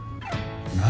何？